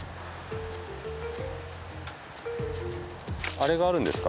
あれがあるんですか？